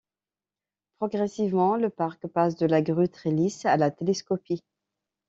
Progressivement, le parc passe de la Grue Trellis à la télescopie.